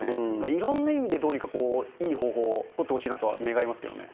いろんな意味で、どうにかいい方法を取ってほしいなとは願いますけれどもね。